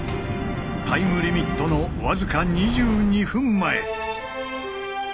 タイムリミットの僅か２２分前。